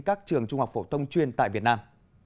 các trường trung học phổ thông chuyên tại việt nam